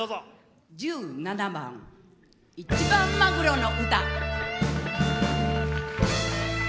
１７番「一番マグロの謳」。